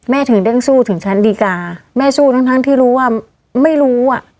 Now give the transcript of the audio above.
ถึงได้สู้ถึงชั้นดีกาแม่สู้ทั้งทั้งที่รู้ว่าไม่รู้อ่ะ